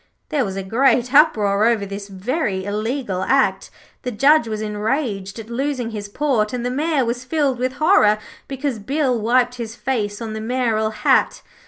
There was a great uproar over this very illegal act. The Judge was enraged at losing his port, and the Mayor was filled with horror because Bill wiped his face on the mayoral hat.